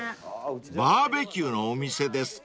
［バーベキューのお店ですか。